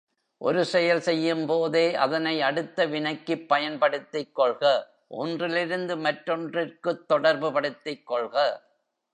ஒரு செயல் செய்யும்போதே அதனை அடுத்த வினைக்குப் பயன்படுத்திக் கொள்க ஒன்றிலிருந்து மற்றொன்றிற்குத் தொடர்புபடுத்திக் கொள்க.